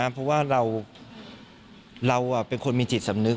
เพราะว่าเราเป็นคนมีจิตสำนึก